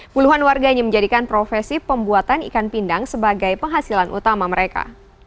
puluhan warganya menjadikan profesi pembuatan ikan pindang sebagai penghasilan utama mereka